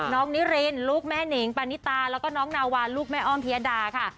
นิรินลูกแม่นิงปานิตาแล้วก็น้องนาวาลูกแม่อ้อมพิยดาค่ะ